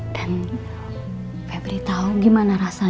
dan febri tau gimana rasanya